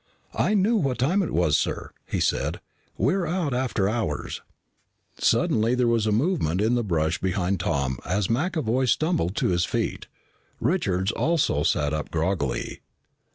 "I knew what time it was, sir," he said. "We're out after hours." Suddenly there was a movement in the brush behind Tom as McAvoy stumbled to his feet. Richards also sat up groggily.